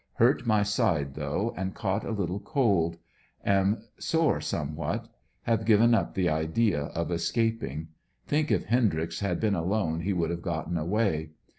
Hurt my side though, and caught a little cold. Am sore somewliat. Have given up the idea of escaping. Think if Hendryx had been alone he would have gotten away.